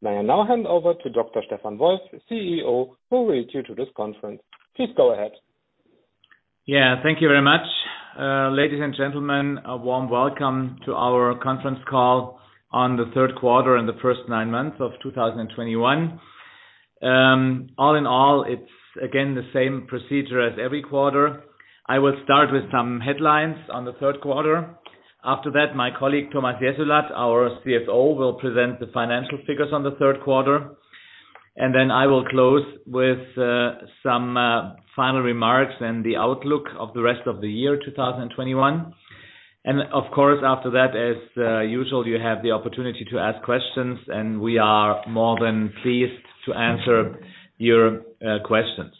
May I now hand over to Dr. Stefan Wolf, CEO, who will lead you through this conference. Please go ahead. Yeah, thank you very much. Ladies and gentlemen, a warm welcome to our conference call on the third quarter and the first nine months of 2021. All in all, it's again the same procedure as every quarter. I will start with some headlines on the third quarter. After that, my colleague, Thomas Jessulat, our CFO, will present the financial figures on the third quarter. Then I will close with some final remarks and the outlook of the rest of the year, 2021. Of course, after that, as usual, you have the opportunity to ask questions, and we are more than pleased to answer your questions.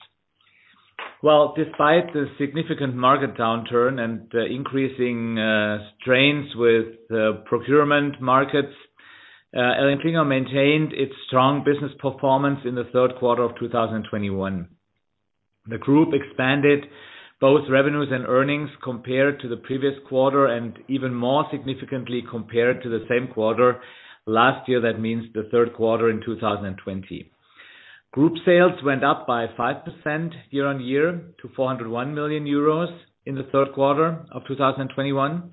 Well, despite the significant market downturn and the increasing strains with the procurement markets, ElringKlinger maintained its strong business performance in the third quarter of 2021. The group expanded both revenues and earnings compared to the previous quarter, and even more significantly compared to the same quarter last year. That means the third quarter in 2020. Group sales went up by 5% year-on-year to 401 million euros in the third quarter of 2021,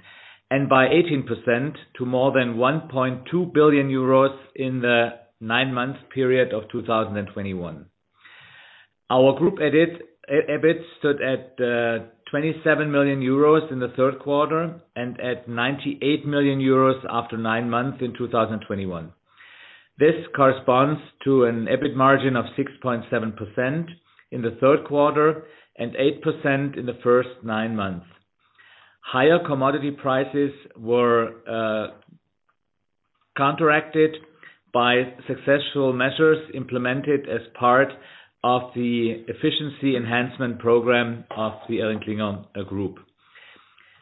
and by 18% to more than 1.2 billion euros in the nine-month period of 2021. Our group EBIT stood at 27 million euros in the third quarter and at 98 million euros after nine months in 2021. This corresponds to an EBIT margin of 6.7% in the third quarter and 8% in the first nine months. Higher commodity prices were counteracted by successful measures implemented as part of the efficiency enhancement program of the ElringKlinger Group.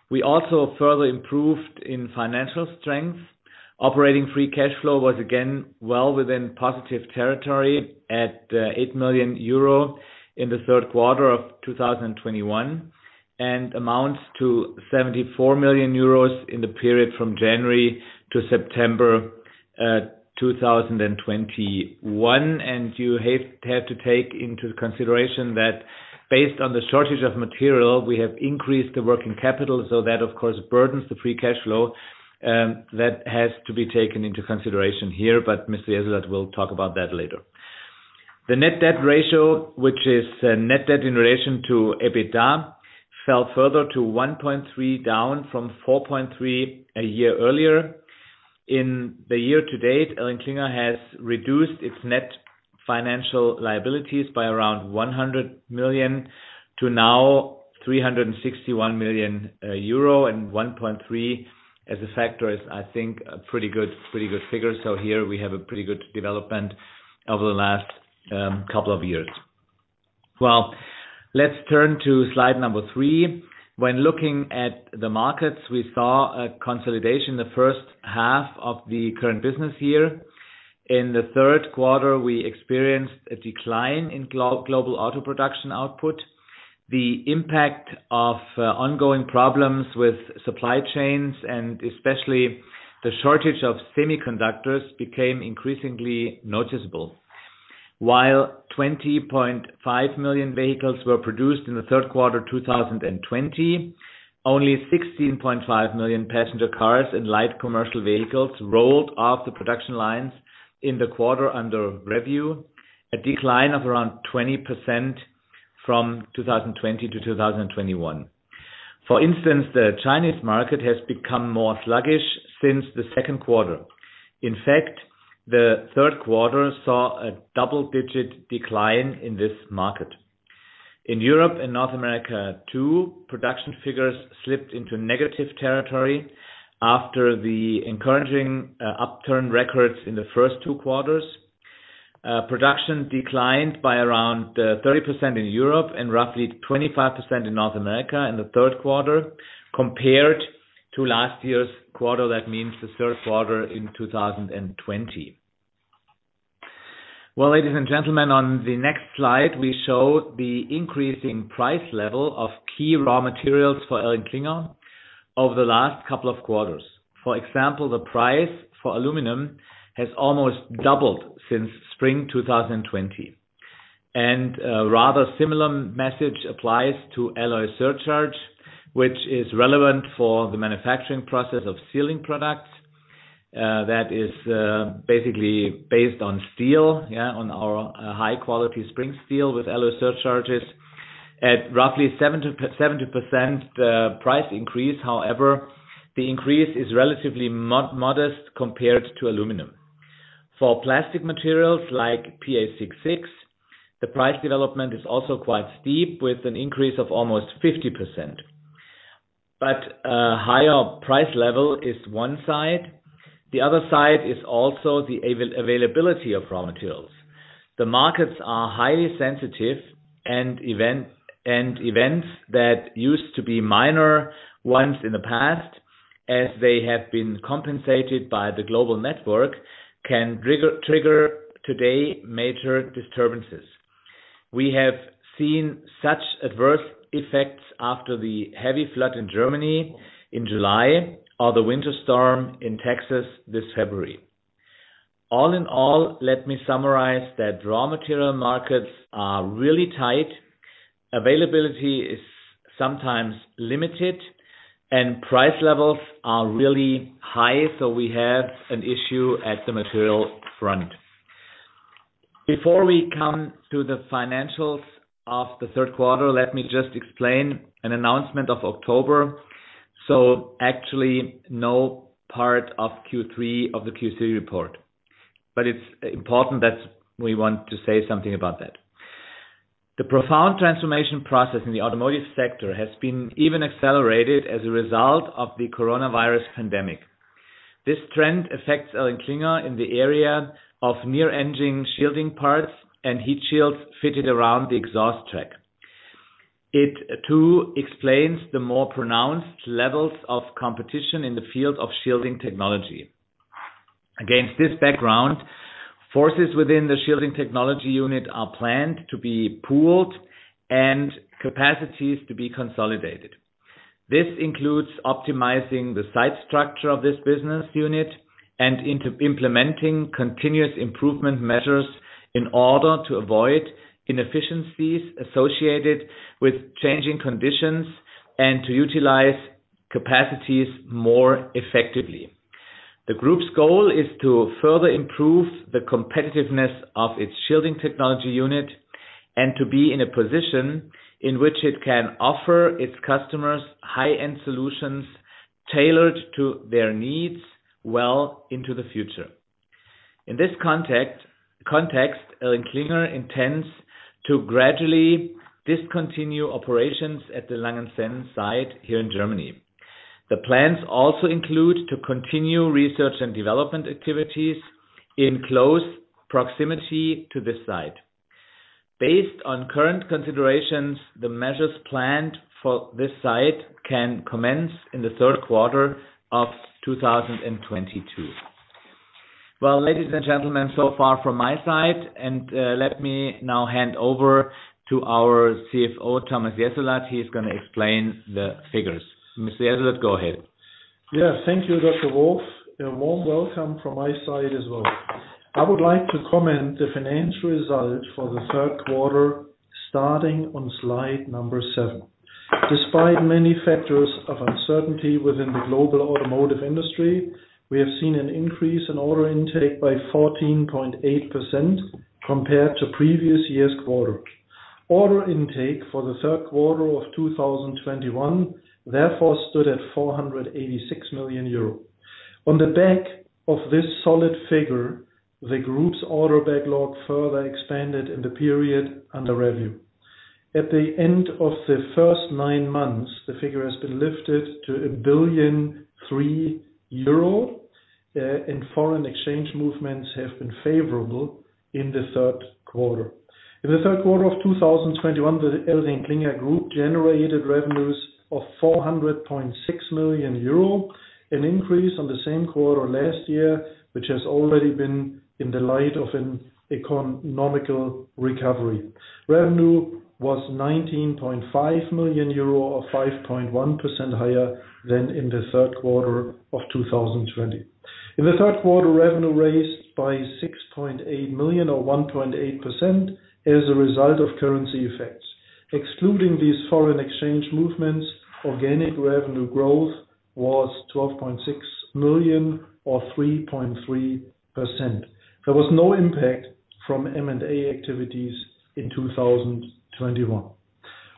We also further improved in financial strength. Operating free cash flow was again within positive territory at 8 million euro in the third quarter of 2021, and amounts to 74 million euros in the period from January to September 2021. You had to take into consideration that based on the shortage of material, we have increased the working capital. That, of course, burdens the free cash flow that has to be taken into consideration here. Mr. Jessulat will talk about that later. The net debt ratio, which is net debt in relation to EBITDA, fell further to 1.3, down from 4.3 a year earlier. In the year to date, ElringKlinger has reduced its net financial liabilities by around 100 million to now 361 million euro. One point three as a factor is, I think, a pretty good figure. Here we have a pretty good development over the last couple of years. Well, let's turn to slide number three. When looking at the markets, we saw a consolidation the first half of the current business year. In the third quarter, we experienced a decline in global auto production output. The impact of ongoing problems with supply chains and especially the shortage of semiconductors became increasingly noticeable. While 20.5 million vehicles were produced in the third quarter 2020, only 16.5 million passenger cars and light commercial vehicles rolled off the production lines in the quarter under review, a decline of around 20% from 2020 to 2021. For instance, the Chinese market has become more sluggish since the second quarter. In fact, the third quarter saw a double-digit decline in this market. In Europe and North America, two production figures slipped into negative territory after the encouraging upturn records in the first two quarters. Production declined by around 30% in Europe and roughly 25% in North America in the third quarter compared to last year's quarter. That means the third quarter in 2020. Well, ladies and gentlemen, on the next slide, we show the increasing price level of key raw materials for ElringKlinger over the last couple of quarters. For example, the price for aluminum has almost doubled since spring 2020. A rather similar message applies to alloy surcharge, which is relevant for the manufacturing process of sealing products. That is basically based on steel, on our high-quality spring steel with alloy surcharges. At roughly 70% price increase, however, the increase is relatively modest compared to aluminum. For plastic materials like PA6,6, the price development is also quite steep, with an increase of almost 50%. A higher price level is one side. The other side is also the availability of raw materials. The markets are highly sensitive, and events that used to be minor ones in the past, as they have been compensated by the global network, can trigger today major disturbances. We have seen such adverse effects after the heavy flood in Germany in July or the winter storm in Texas this February. All in all, let me summarize that raw material markets are really tight. Availability is sometimes limited and price levels are really high, so we have an issue at the material front. Before we come to the financials of the third quarter, let me just explain an announcement of October. Actually, no part of Q3 of the Q3 report, but it's important that we want to say something about that. The profound transformation process in the automotive sector has been even accelerated as a result of the coronavirus pandemic. This trend affects ElringKlinger in the area of near engine shielding parts and heat shields fitted around the exhaust track. It too explains the more pronounced levels of competition in the field of shielding technology. Against this background, forces within the shielding technology unit are planned to be pooled and capacities to be consolidated. This includes optimizing the site structure of this business unit and implementing continuous improvement measures in order to avoid inefficiencies associated with changing conditions and to utilize capacities more effectively. The group's goal is to further improve the competitiveness of its shielding technology unit and to be in a position in which it can offer its customers high-end solutions tailored to their needs well into the future. In this context, ElringKlinger intends to gradually discontinue operations at the Langenzenn site here in Germany. The plans also include to continue research and development activities in close proximity to this site. Based on current considerations, the measures planned for this site can commence in the third quarter of 2022. Well, ladies and gentlemen, so far from my side, and let me now hand over to our CFO, Thomas Jessulat. He's gonna explain the figures. Mr. Jessulat, go ahead. Yeah. Thank you, Dr. Wolf. A warm welcome from my side as well. I would like to comment on the financial results for the third quarter starting on slide number seven. Despite many factors of uncertainty within the global automotive industry, we have seen an increase in order intake by 14.8% compared to previous year's quarter. Order intake for the third quarter of 2021, therefore, stood at 486 million euro. On the back of this solid figure, the group's order backlog further expanded in the period under review. At the end of the first nine months, the figure has been lifted to 1.3 billion, and foreign exchange movements have been favorable in the third quarter. In the third quarter of 2021, the ElringKlinger group generated revenues of 400.6 million euro, an increase on the same quarter last year, which has already been in the light of an economic recovery. Revenue was 19.5 million euro or 5.1% higher than in the third quarter of 2020. In the third quarter, revenue rose by 6.8 million or 1.8% as a result of currency effects. Excluding these foreign exchange movements, organic revenue growth was 12.6 million or 3.3%. There was no impact from M&A activities in 2021.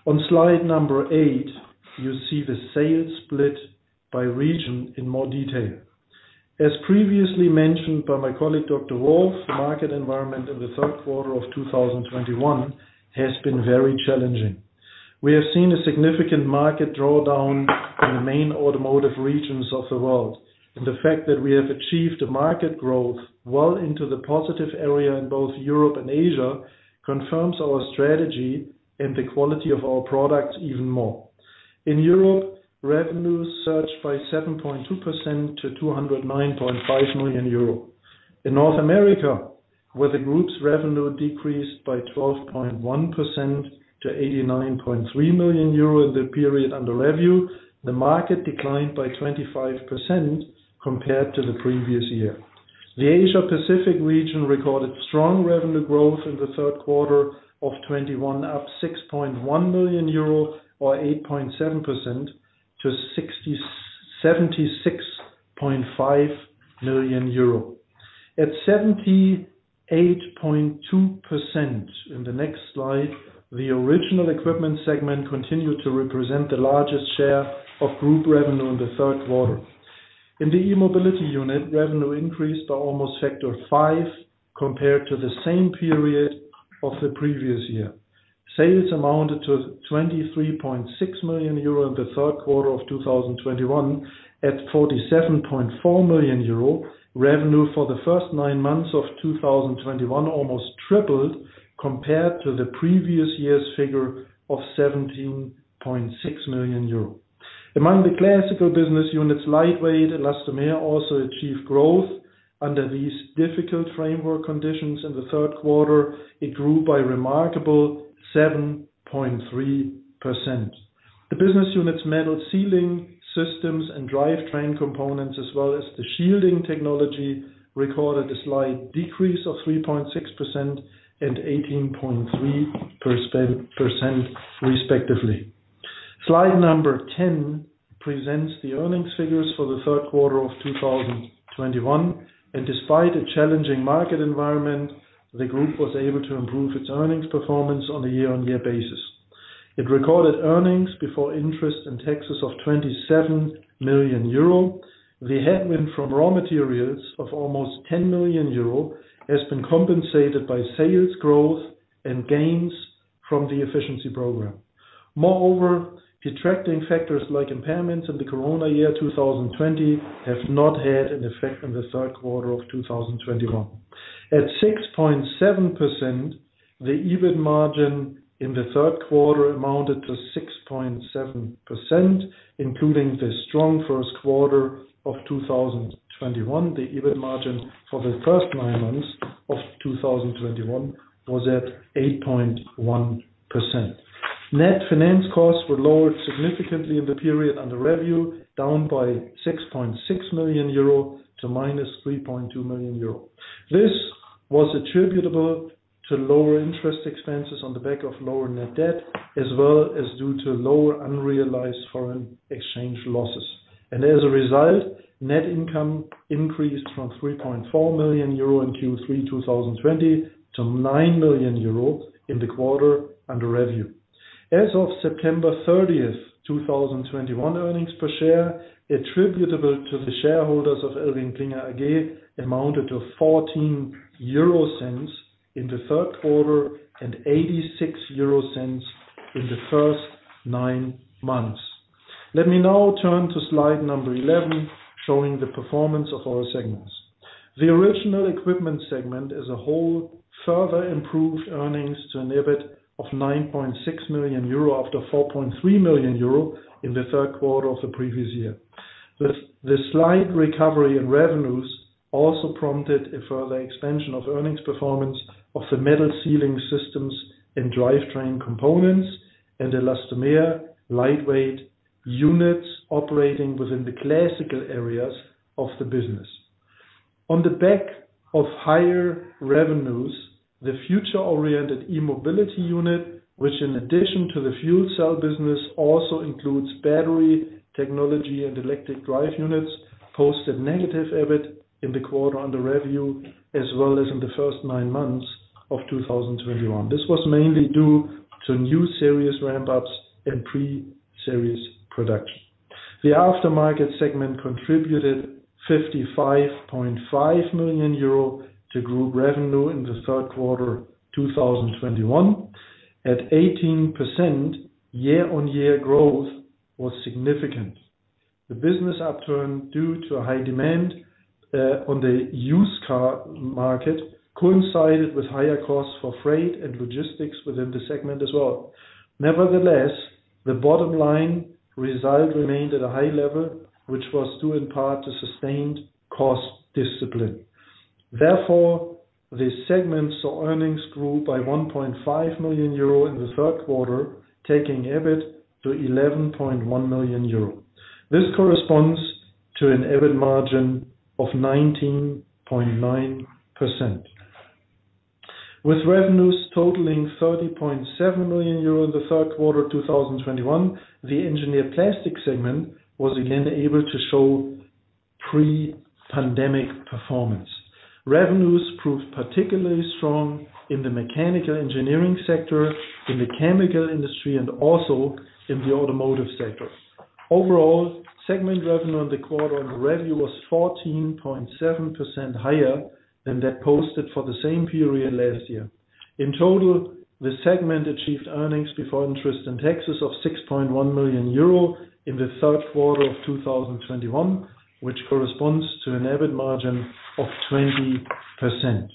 On slide eight, you see the sales split by region in more detail. As previously mentioned by my colleague, Dr. The market environment in the third quarter of 2021 has been very challenging. We have seen a significant market drawdown in the main automotive regions of the world. The fact that we have achieved a market growth well into the positive area in both Europe and Asia confirms our strategy and the quality of our products even more. In Europe, revenues surged by 7.2% to 209.5 million euro. In North America, where the group's revenue decreased by 12.1% to 89.3 million euro in the period under review, the market declined by 25% compared to the previous year. The Asia Pacific region recorded strong revenue growth in the third quarter of 2021, up 6.1 million euro or 8.7% to EUR 76.5 million. At 78.2%, in the next slide, the original equipment segment continued to represent the largest share of group revenue in the third quarter. In the E-Mobility unit, revenue increased by almost factor five compared to the same period of the previous year. Sales amounted to 23.6 million euro in the third quarter of 2021. At 47.4 million euro, revenue for the first nine months of 2021 almost tripled compared to the previous year's figure of 17.6 million euro. Among the classical business units, Lightweight and Elastomer Technology also achieved growth under these difficult framework conditions in the third quarter. It grew by remarkable 7.3%. The business units Metal Sealing Systems & Drivetrain Components as well as the shielding technology recorded a slight decrease of 3.6% and 18.3%, respectively. Slide number 10 presents the earnings figures for the third quarter of 2021. Despite a challenging market environment, the group was able to improve its earnings performance on a year-on-year basis. It recorded earnings before interest and taxes of 27 million euro. The headwind from raw materials of almost 10 million euro has been compensated by sales growth and gains from the efficiency program. Moreover, detracting factors like impairments in the Corona year 2020 have not had an effect on the third quarter of 2021. At 6.7%, the EBIT margin in the third quarter amounted to 6.7%, including the strong first quarter of 2021. The EBIT margin for the first nine months of 2021 was at 8.1%. Net finance costs were lowered significantly in the period under review, down by 6.6 million euro to -3.2 million euro. This was attributable to lower interest expenses on the back of lower net debt, as well as due to lower unrealized foreign exchange losses. As a result, net income increased from 3.4 million euro in Q3 2020 to 9 million euro in the quarter under review. As of September 30th, 2021 earnings per share attributable to the shareholders of ElringKlinger AG amounted to 0.14 in the third quarter and 0.86 in the first nine months. Let me now turn to slide 11, showing the performance of our segments. The original equipment segment as a whole further improved earnings to an EBIT of 9.6 million euro after 4.3 million euro in the third quarter of the previous year. The slight recovery in revenues also prompted a further extension of earnings performance of the Metal Sealing Systems & Drivetrain Components and Lightweight and Elastomer Technology units operating within the classical areas of the business. On the back of higher revenues, the future-oriented E-Mobility unit, which in addition to the fuel cell business, also includes battery technology and electric drive units, posted negative EBIT in the quarter under review, as well as in the first nine months of 2021. This was mainly due to new series ramp-ups and pre-series production. The aftermarket segment contributed 55.5 million euro to group revenue in the third quarter 2021. At 18%, year-on-year growth was significant. The business upturn, due to a high demand on the used car market, coincided with higher costs for freight and logistics within the segment as well. Nevertheless, the bottom line result remained at a high level, which was due in part to sustained cost discipline. Therefore, the segment's earnings grew by 1.5 million euro in the third quarter, taking EBIT to 11.1 million euro. This corresponds to an EBIT margin of 19.9%. With revenues totaling 30.7 million euro in the third quarter of 2021, the Engineered Plastics segment was again able to show pre-pandemic performance. Revenues proved particularly strong in the mechanical engineering sector, in the chemical industry, and also in the automotive sector. Overall, segment revenue in the quarter under review was 14.7% higher than that posted for the same period last year. In total, the segment achieved earnings before interest and taxes of 6.1 million euro in the third quarter of 2021, which corresponds to an EBIT margin of 20%.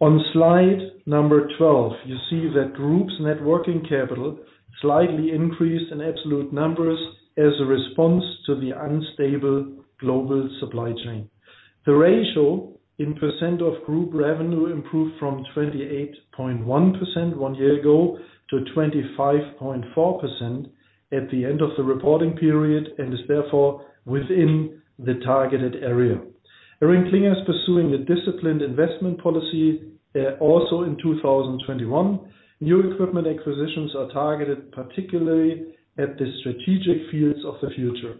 On slide 12, you see that group's net working capital slightly increased in absolute numbers as a response to the unstable global supply chain. The ratio in percent of group revenue improved from 28.1% one year ago to 25.4% at the end of the reporting period, and is therefore within the targeted area. ElringKlinger is pursuing a disciplined investment policy, also in 2021. New equipment acquisitions are targeted particularly at the strategic fields of the future.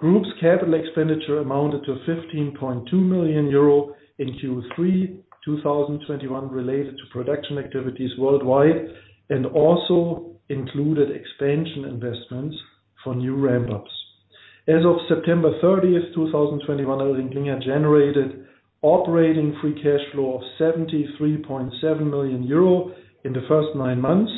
Group's capital expenditure amounted to 15.2 million euro in Q3 2021, related to production activities worldwide, and also included expansion investments for new ramp-ups. As of September 30th, 2021, ElringKlinger generated operating free cash flow of 73.7 million euro in the first nine months,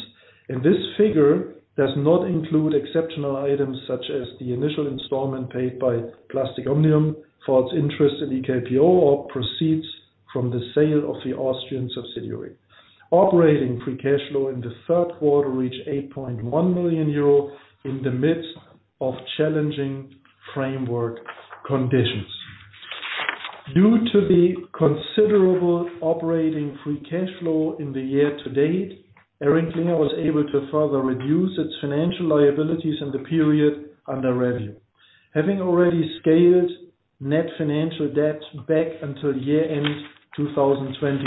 and this figure does not include exceptional items such as the initial installment paid by Plastic Omnium for its interest in EKPO or proceeds from the sale of the Austrian subsidiary. Operating free cash flow in the third quarter reached 8.1 million euro in the midst of challenging framework conditions. Due to the considerable operating free cash flow in the year to date, ElringKlinger was able to further reduce its financial liabilities in the period under review. Having already scaled net financial debt back until year-end 2020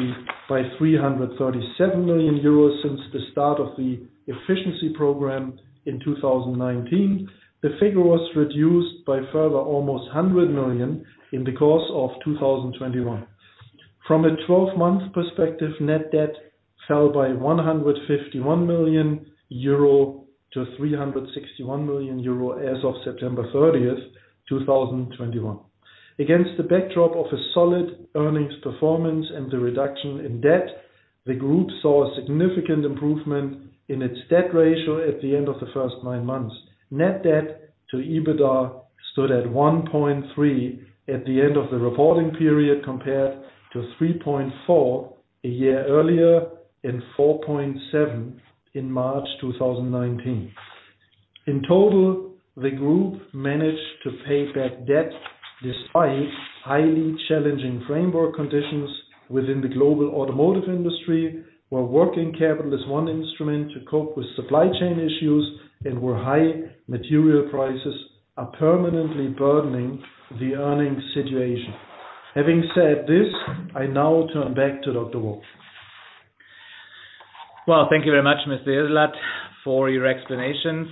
by 337 million euros since the start of the efficiency program in 2019, the figure was reduced by further almost 100 million in the course of 2021. From a 12-month perspective, net debt fell by 151 million-361 million euro as of September 30th, 2021. Against the backdrop of a solid earnings performance and the reduction in debt, the group saw a significant improvement in its debt ratio at the end of the first nine months. Net debt to EBITDA stood at 1.3 at the end of the reporting period, compared to 3.4 a year earlier, and 4.7 in March 2019. In total, the group managed to pay back debt despite highly challenging framework conditions within the global automotive industry, where working capital is one instrument to cope with supply chain issues and where high material prices are permanently burdening the earnings situation. Having said this, I now turn back to Dr. Wolf. Well, thank you very much, Mr. Jessulat, for your explanations.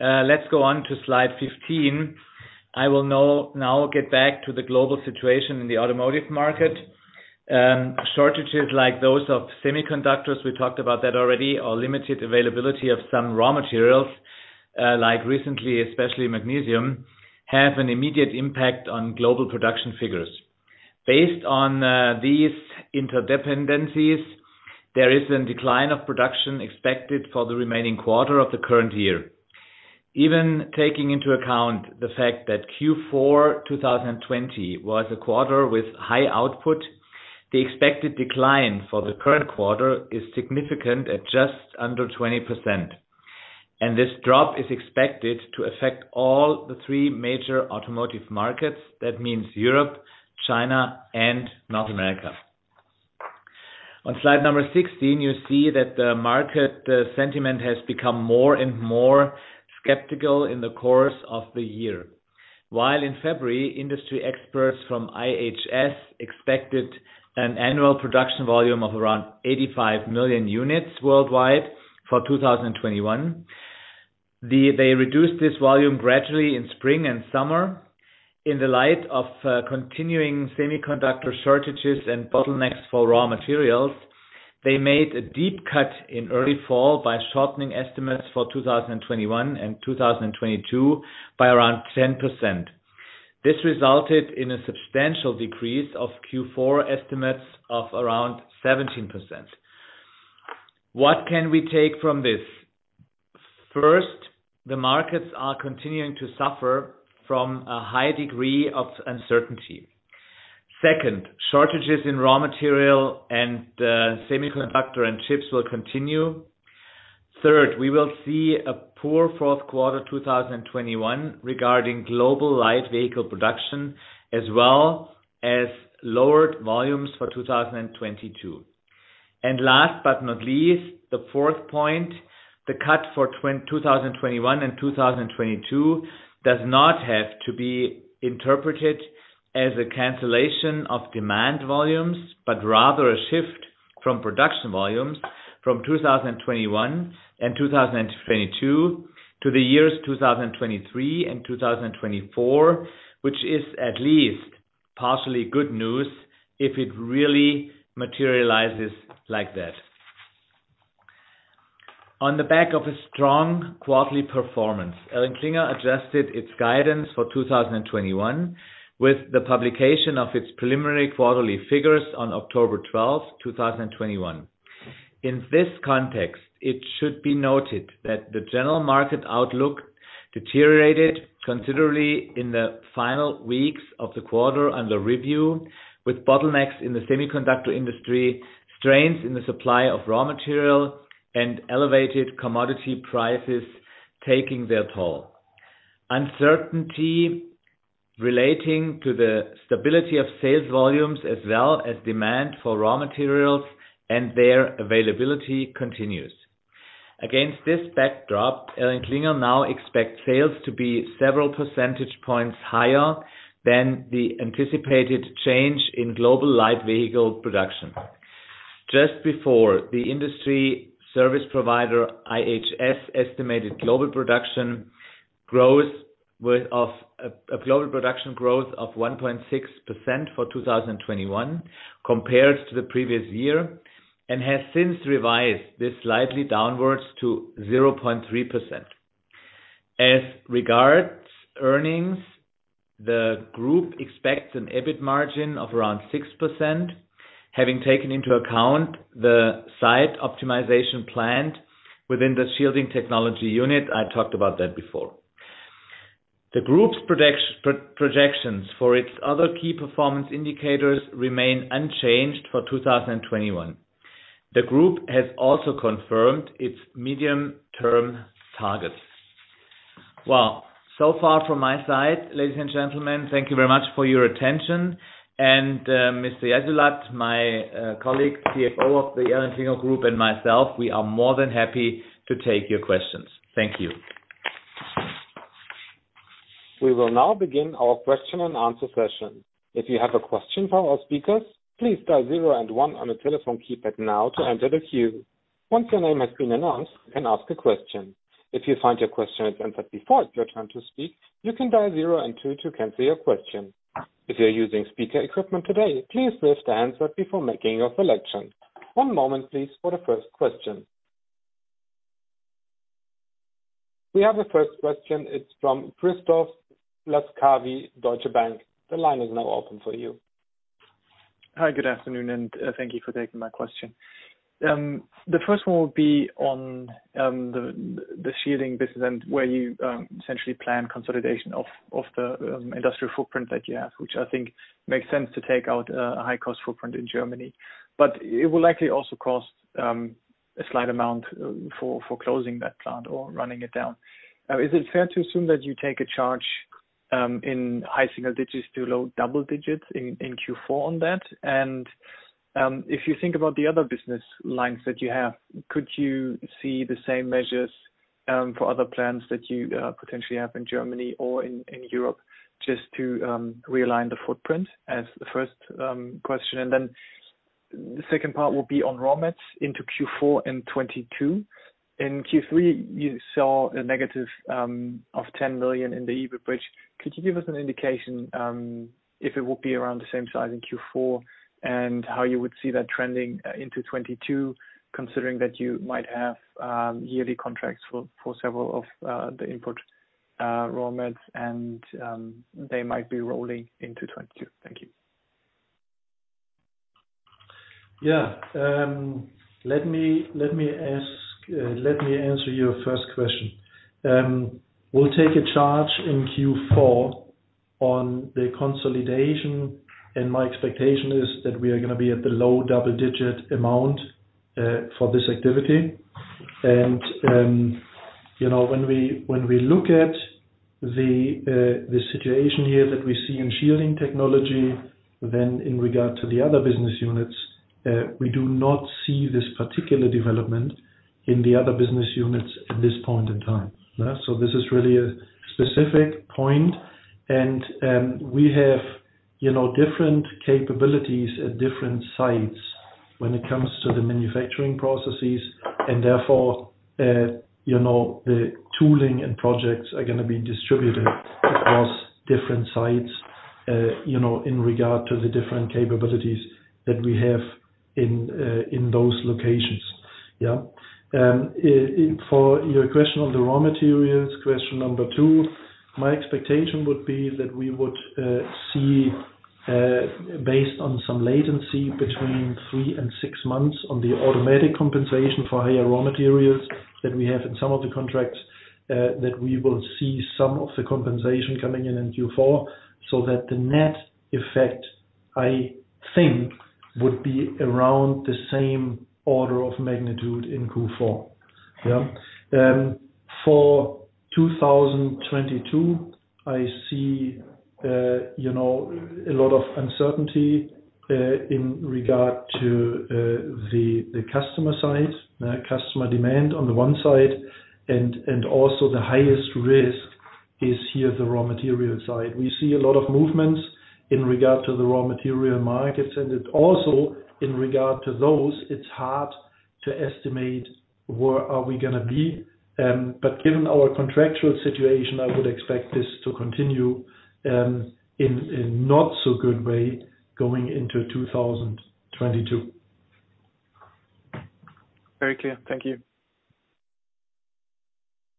Let's go on to slide 15. I will now get back to the global situation in the automotive market. Shortages like those of semiconductors, we talked about that already, or limited availability of some raw materials, like recently, especially magnesium, have an immediate impact on global production figures. Based on these interdependencies, there is a decline of production expected for the remaining quarter of the current year. Even taking into account the fact that Q4 2020 was a quarter with high output, the expected decline for the current quarter is significant at just under 20%. This drop is expected to affect all three major automotive markets. That means Europe, China, and North America. On slide number 16, you see that the market sentiment has become more and more skeptical in the course of the year. While in February, industry experts from IHS expected an annual production volume of around 85 million units worldwide for 2021. They reduced this volume gradually in spring and summer. In the light of continuing semiconductor shortages and bottlenecks for raw materials, they made a deep cut in early fall by shortening estimates for 2021 and 2022 by around 10%. This resulted in a substantial decrease of Q4 estimates of around 17%. What can we take from this? First, the markets are continuing to suffer from a high degree of uncertainty. Second, shortages in raw material and semiconductor and chips will continue. Third, we will see a poor fourth quarter 2021 regarding global light vehicle production as well as lowered volumes for 2022. Last but not least, the fourth point, the cut for 2021 and 2022 does not have to be interpreted as a cancellation of demand volumes, but rather a shift from production volumes from 2021 and 2022 to the years 2023 and 2024, which is at least partially good news if it really materializes like that. On the back of a strong quarterly performance, ElringKlinger adjusted its guidance for 2021 with the publication of its preliminary quarterly figures on October 12th, 2021. In this context, it should be noted that the general market outlook deteriorated considerably in the final weeks of the quarter under review, with bottlenecks in the semiconductor industry, strains in the supply of raw material, and elevated commodity prices taking their toll. Uncertainty relating to the stability of sales volumes as well as demand for raw materials and their availability continues. Against this backdrop, ElringKlinger now expects sales to be several percentage points higher than the anticipated change in global light vehicle production. Just before the industry service provider, IHS, estimated a global production growth of 1.6% for 2021 compared to the previous year, and has since revised this slightly downwards to 0.3%. As regards earnings, the group expects an EBIT margin of around 6%, having taken into account the site optimization planned within the Shielding Technology unit. I talked about that before. The Group's projections for its other key performance indicators remain unchanged for 2021. The Group has also confirmed its medium-term targets. Well, so far from my side, ladies and gentlemen, thank you very much for your attention. Mr. Jessulat, my colleague, CFO of the ElringKlinger Group and myself, we are more than happy to take your questions. Thank you. We will now begin our question and answer session. If you have a question for our speakers, please dial zero and one on your telephone keypad now to enter the queue. Once your name has been announced, you can ask a question. If you find your question has been answered before it's your turn to speak, you can dial zero and two to cancel your question. If you're using speaker equipment today, please pick up your handset before making your selection. One moment please for the first question. We have the first question, it's from Christoph Laskawi, Deutsche Bank. The line is now open for you. Hi, good afternoon, and thank you for taking my question. The first one will be on the shielding business and where you essentially plan consolidation of the industrial footprint that you have, which I think makes sense to take out a high-cost footprint in Germany. It will likely also cost a slight amount for closing that plant or running it down. Is it fair to assume that you take a charge in high single digits to low double digits in Q4 on that? If you think about the other business lines that you have, could you see the same measures for other plants that you potentially have in Germany or in Europe just to realign the footprint? As the first question. The second part will be on raw mats into Q4 and 2022. In Q3, you saw a negative of 10 million in the EBIT bridge. Could you give us an indication if it will be around the same size in Q4, and how you would see that trending into 2022, considering that you might have yearly contracts for several of the input raw mats and they might be rolling into 2022? Thank you. Yeah. Let me answer your first question. We'll take a charge in Q4 on the consolidation, and my expectation is that we are gonna be at the low double-digit amount for this activity. You know, when we look at the situation here that we see in shielding technology, then in regard to the other business units, we do not see this particular development in the other business units at this point in time. So this is really a specific point. We have, you know, different capabilities at different sites when it comes to the manufacturing processes. Therefore, you know, the tooling and projects are gonna be distributed across different sites, you know, in regard to the different capabilities that we have in those locations. Yeah. For your question on the raw materials, question number two, my expectation would be that we would see based on some latency between three and six months on the automatic compensation for higher raw materials that we have in some of the contracts that we will see some of the compensation coming in in Q4, so that the net effect, I think, would be around the same order of magnitude in Q4. Yeah. For 2022, I see you know a lot of uncertainty in regard to the customer side, customer demand on the one side and also the highest risk is here the raw material side. We see a lot of movements in regard to the raw material markets, and it also, in regard to those, it's hard to estimate where are we gonna be. Given our contractual situation, I would expect this to continue in not so good way going into 2022. Very clear. Thank you.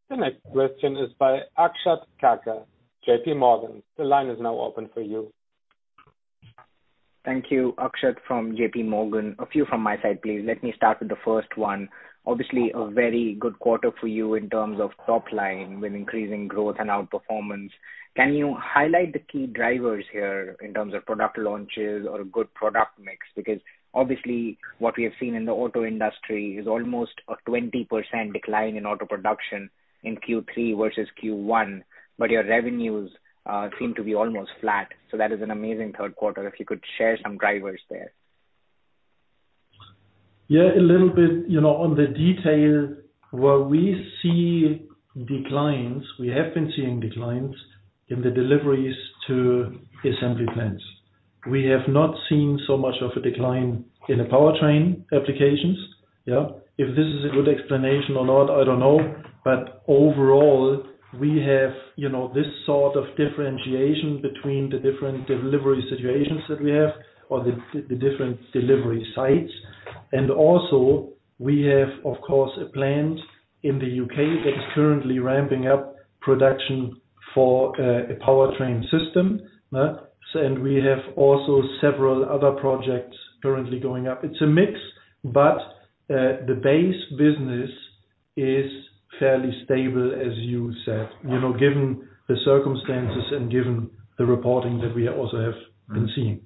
The next question is by Akshat Kacker, JPMorgan. The line is now open for you. Thank you. Akshat Kacker from JPMorgan. A few from my side, please. Let me start with the first one. Obviously, a very good quarter for you in terms of top line with increasing growth and outperformance. Can you highlight the key drivers here in terms of product launches or good product mix? Because obviously what we have seen in the auto industry is almost a 20% decline in auto production in Q3 versus Q1, but your revenues seem to be almost flat. That is an amazing third quarter, if you could share some drivers there. Yeah. A little bit, you know, on the detail where we see declines, we have been seeing declines in the deliveries to assembly plants. We have not seen so much of a decline in the powertrain applications. Yeah. If this is a good explanation or not, I don't know. Overall, we have, you know, this sort of differentiation between the different delivery situations that we have or the different delivery sites. And also we have, of course, a plant in the U.K. that is currently ramping up production for a powertrain system. And we have also several other projects currently going up. It's a mix. The base business is fairly stable, as you said, you know, given the circumstances and given the reporting that we also have been seeing.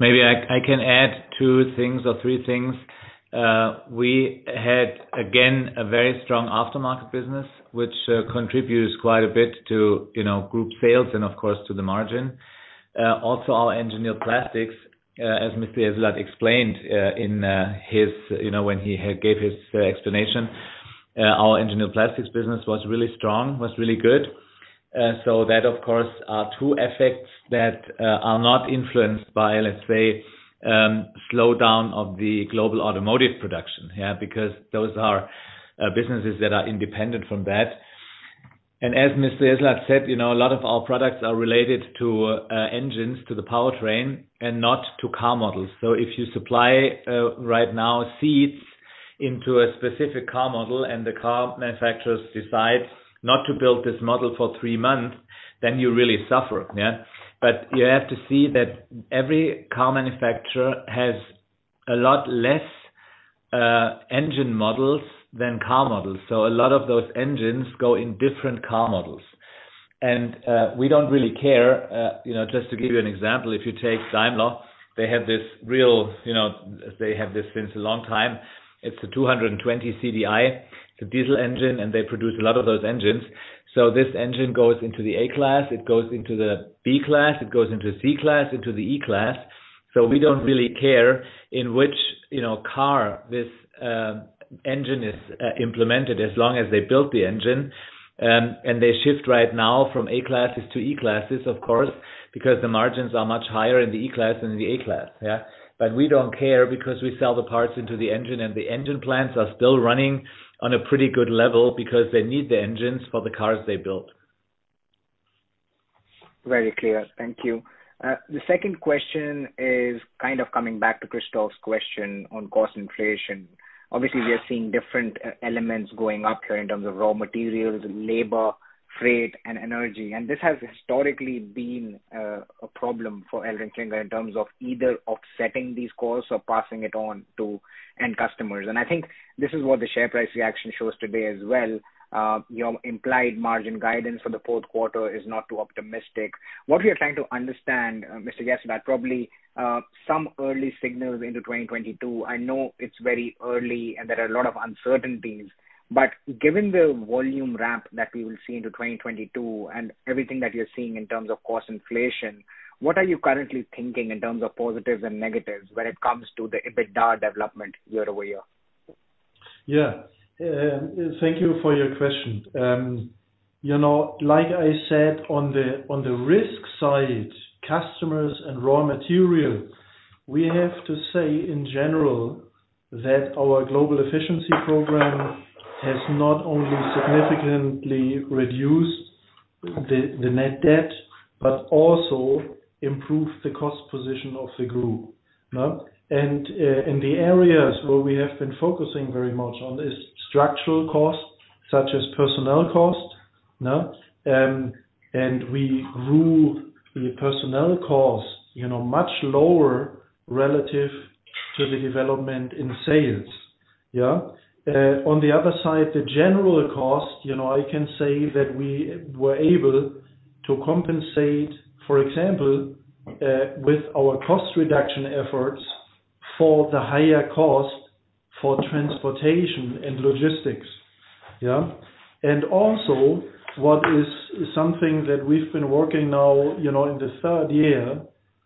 Maybe I can add two things or three things. We had, again, a very strong aftermarket business, which contributes quite a bit to, you know, group sales and of course, to the margin. Also our Engineered Plastics, as Mr. Jessulat explained when he gave his explanation. Our Engineered Plastics business was really strong, was really good. So that of course are two effects that are not influenced by, let's say, slowdown of the global automotive production. Because those are businesses that are independent from that. As Mr. Jessulat said, you know, a lot of our products are related to engines, to the powertrain, and not to car models. If you supply right now seats into a specific car model, and the car manufacturers decide not to build this model for three months, then you really suffer, yeah. You have to see that every car manufacturer has a lot less engine models than car models. A lot of those engines go in different car models. We don't really care. You know, just to give you an example, if you take Daimler, they have this really, you know, they have this since a long time. It's a 220 CDI, it's a diesel engine, and they produce a lot of those engines. This engine goes into the A-Class, it goes into the B-Class, it goes into C-Class, into the E-Class. We don't really care in which, you know, car this engine is implemented as long as they built the engine. They shift right now from A-Class to E-Class, of course, because the margins are much higher in the E-Class than in the A-Class, yeah. We don't care because we sell the parts into the engine, and the engine plants are still running on a pretty good level because they need the engines for the cars they built. Very clear. Thank you. The second question is kind of coming back to Christoph's question on cost inflation. Obviously, we are seeing different elements going up here in terms of raw materials, labor, freight, and energy. This has historically been a problem for ElringKlinger in terms of either offsetting these costs or passing it on to end customers. I think this is what the share price reaction shows today as well. Your implied margin guidance for the fourth quarter is not too optimistic. What we are trying to understand, Mr. Jessulat, probably some early signals into 2022. I know it's very early and there are a lot of uncertainties, but given the volume ramp that we will see into 2022 and everything that you're seeing in terms of cost inflation, what are you currently thinking in terms of positives and negatives when it comes to the EBITDA development year-over-year? Yeah. Thank you for your question. You know, like I said, on the risk side, customers and raw material, we have to say in general that our global efficiency program has not only significantly reduced the net debt, but also improved the cost position of the group. In the areas where we have been focusing very much on this structural cost, such as personnel cost, we grew the personnel costs, you know, much lower relative to the development in sales. Yeah. On the other side, the general cost, you know, I can say that we were able to compensate, for example, with our cost reduction efforts for the higher cost for transportation and logistics. Yeah. Also what is something that we've been working now, you know, in the third year,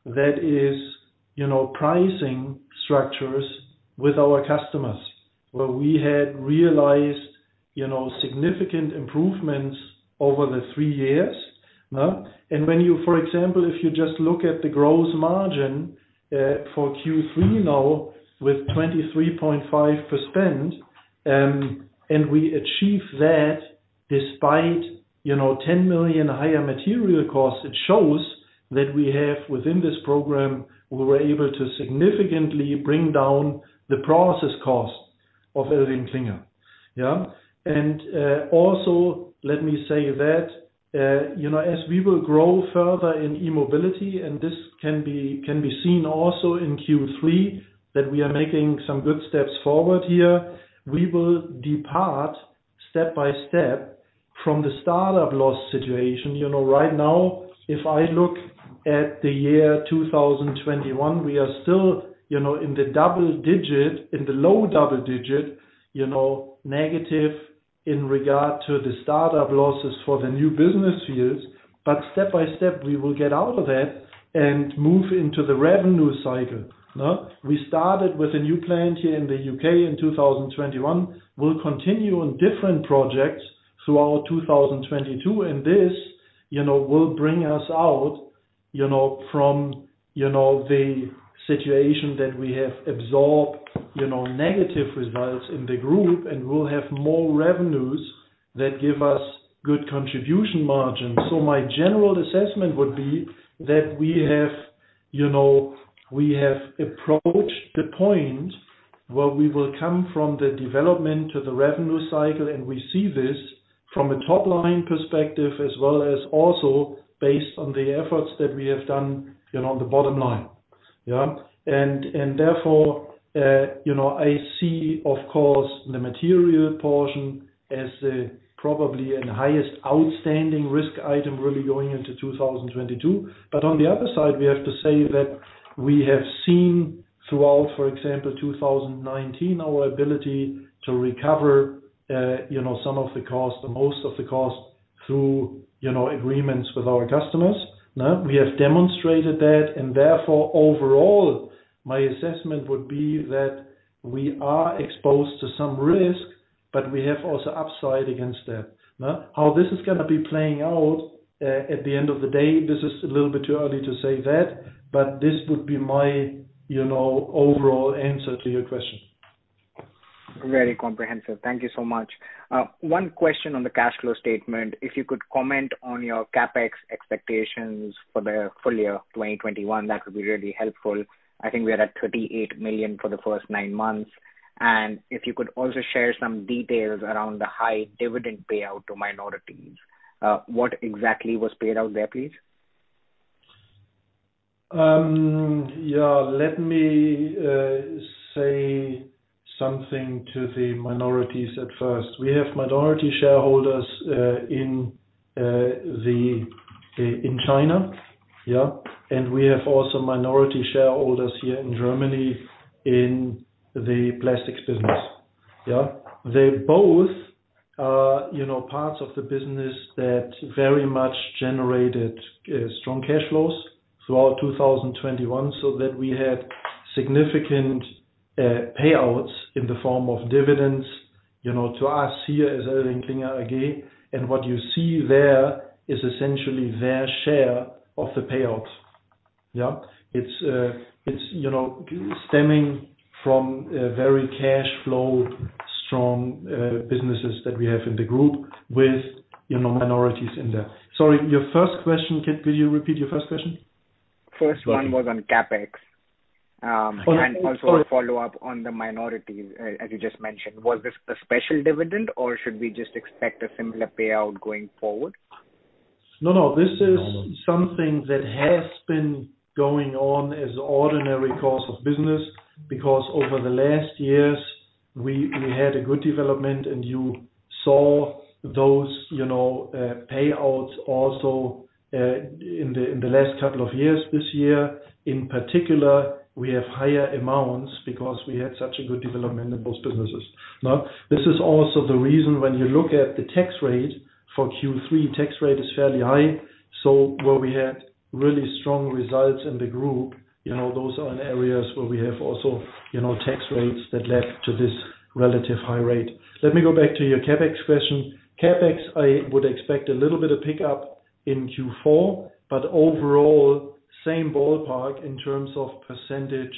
that is, you know, pricing structures with our customers, where we had realized, you know, significant improvements over the three years. No? For example, if you just look at the gross margin for Q3 now with 23.5%, and we achieve that despite, you know, 10 million higher material costs, it shows that we have within this program, we were able to significantly bring down the process cost of ElringKlinger. Yeah. Also, let me say that, you know, as we will grow further in E-Mobility, and this can be seen also in Q3, that we are making some good steps forward here. We will depart step by step from the startup loss situation. You know, right now, if I look at the year 2021, we are still, you know, in the double digit, in the low double digit, you know, negative in regard to the startup losses for the new business years. Step by step, we will get out of that and move into the revenue cycle. No? We started with a new plant here in the U.K. in 2021. We'll continue on different projects throughout 2022, and this, you know, will bring us out, you know, from, you know, the situation that we have absorbed, you know, negative results in the group and we'll have more revenues that give us good contribution margins. My general assessment would be that we have, you know, we have approached the point where we will come from the development to the revenue cycle, and we see this. From a top line perspective, as well as also based on the efforts that we have done, you know, on the bottom line. And therefore, you know, I see, of course, the material portion as probably the highest outstanding risk item really going into 2022. But on the other side, we have to say that we have seen throughout, for example, 2019, our ability to recover, you know, some of the costs and most of the costs through, you know, agreements with our customers. Now, we have demonstrated that, and therefore overall, my assessment would be that we are exposed to some risk, but we have also upside against that. Now, how this is gonna be playing out, at the end of the day, this is a little bit too early to say that, but this would be my, you know, overall answer to your question. Very comprehensive. Thank you so much. One question on the cash flow statement. If you could comment on your CapEx expectations for the full year 2021, that would be really helpful. I think we are at 38 million for the first nine months. If you could also share some details around the high dividend payout to minorities. What exactly was paid out there, please? Let me say something to the minorities at first. We have minority shareholders in China. We have also minority shareholders here in Germany in the plastics business. They both, you know, parts of the business that very much generated strong cash flows throughout 2021, so that we had significant payouts in the form of dividends, you know, to us here as ElringKlinger AG. What you see there is essentially their share of the payouts. It's, you know, stemming from very cash flow strong businesses that we have in the group with, you know, minorities in there. Sorry, your first question. Could you repeat your first question? First one was on CapEx. Oh. Also a follow-up on the minority, as you just mentioned. Was this a special dividend or should we just expect a similar payout going forward? No, no. This is something that has been going on as ordinary course of business, because over the last years we had a good development, and you saw those, you know, payouts also in the last couple of years this year. In particular, we have higher amounts because we had such a good development in those businesses. Now, this is also the reason when you look at the tax rate for Q3, tax rate is fairly high. Where we had really strong results in the group, you know, those are in areas where we have also, you know, tax rates that led to this relatively high rate. Let me go back to your CapEx question. CapEx, I would expect a little bit of pickup in Q4, but overall, same ballpark in terms of percentage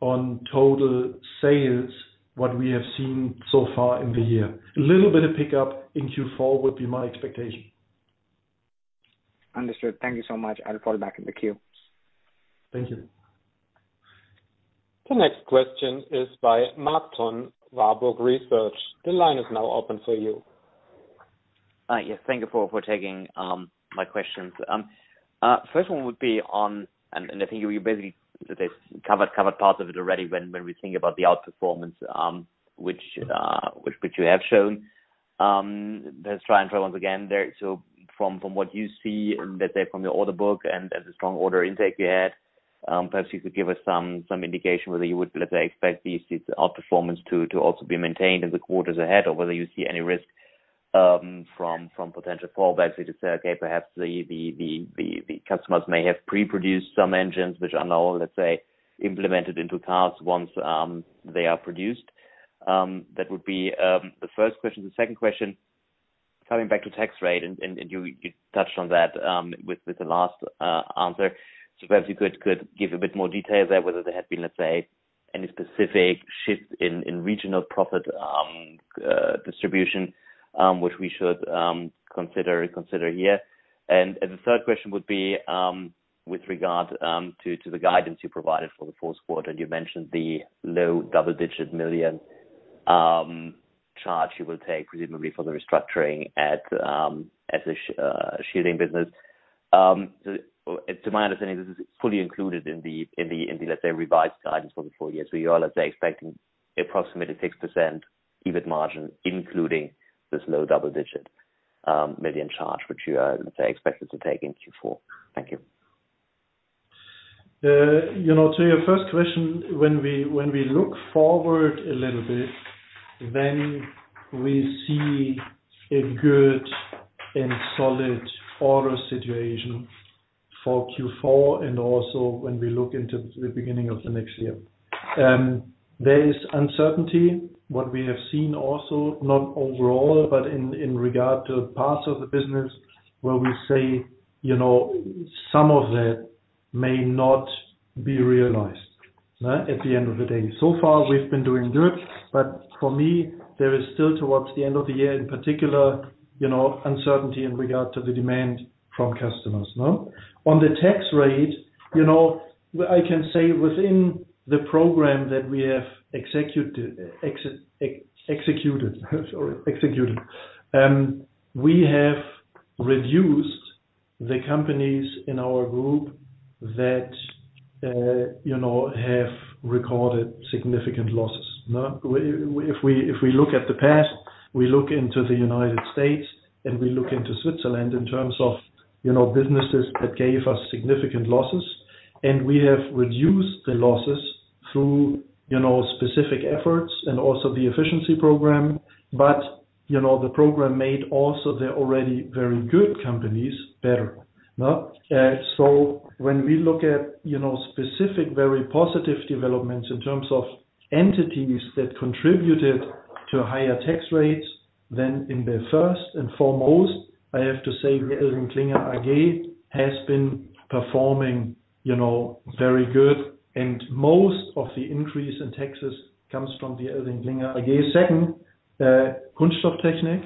on total sales, what we have seen so far in the year. A little bit of pickup in Q4 would be my expectation. Understood. Thank you so much. I'll fall back in the queue. Thank you. The next question is by Marc-René Tonn, Warburg Research. The line is now open for you. Yes, thank you for taking my questions. First one would be on the outperformance. I think you basically just covered parts of it already when we think about the outperformance, which you have shown. Let's try once again there. From what you see and let's say from your order book and as a strong order intake you had, perhaps you could give us some indication whether you would, let's say, expect these outperformance to also be maintained in the quarters ahead or whether you see any risk from potential fallbacks into, say, okay, perhaps the customers may have pre-produced some engines which are now, let's say, implemented into cars once they are produced. That would be the first question. The second question, coming back to tax rate and you touched on that with the last answer. Perhaps you could give a bit more detail there, whether there had been, let's say, any specific shifts in regional profit distribution, which we should consider here. The third question would be with regard to the guidance you provided for the fourth quarter. You mentioned the low double-digit million EUR charge you will take presumably for the restructuring at the shearing business. To my understanding, this is fully included in the, let's say, revised guidance for the full year. You are, let's say, expecting approximately 6% EBIT margin, including this low double-digit million charge, which you are, let's say, expected to take in Q4. Thank you. To your first question, when we look forward a little bit, then we see a good and solid order situation for Q4 and also when we look into the beginning of the next year. There is uncertainty, what we have seen also, not overall, but in regard to parts of the business where we say, you know, some of that may not be realized at the end of the day. So far, we've been doing good, but for me, there is still towards the end of the year, in particular, you know, uncertainty in regard to the demand from customers. Now, on the tax rate, you know, I can say within the program that we have executed, we have reduced the companies in our group that, you know, have recorded significant losses, no? If we look at the past, we look into the United States and we look into Switzerland in terms of, you know, businesses that gave us significant losses. We have reduced the losses through, you know, specific efforts and also the efficiency program. The program made also the already very good companies better, no? When we look at, you know, specific, very positive developments in terms of entities that contributed to higher tax rates than in the first and foremost, I have to say ElringKlinger AG has been performing, you know, very good. Most of the increase in taxes comes from the ElringKlinger AG. Second, Kunststofftechnik,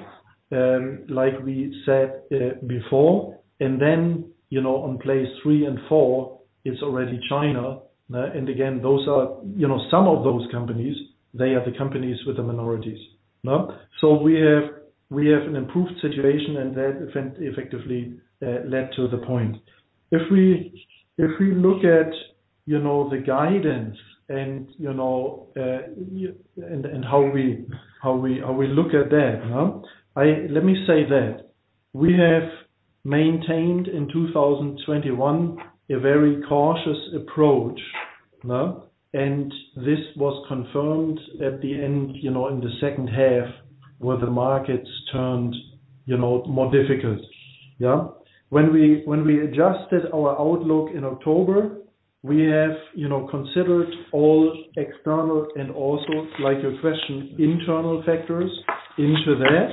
like we said before. Then, you know, on place three and four is already China. Again, those are, you know, some of those companies, they are the companies with the minorities, no? We have an improved situation, and that effectively led to the point. If we look at, you know, the guidance and, you know, and how we look at that? Let me say that we have maintained in 2021 a very cautious approach, no? This was confirmed at the end, you know, in the second half, where the markets turned, you know, more difficult. Yeah? When we adjusted our outlook in October, we have, you know, considered all external and also, like your question, internal factors into that.